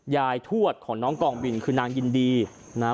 ทวดของน้องกองบินคือนางยินดีนะฮะ